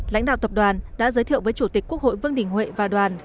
lãnh đạo tập đoàn đã giới thiệu với chủ tịch quốc hội vương đình huệ và đoàn